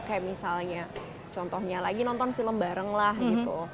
kayak misalnya contohnya lagi nonton film bareng lah gitu